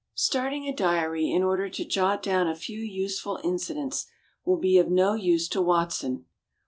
Starting a diary in order to jot down a few useful incidents which will be of no use to Watson.